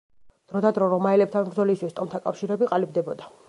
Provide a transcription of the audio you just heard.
დროდადრო რომაელებთან ბრძოლისთვის ტომთა კავშირები ყალიბდებოდა.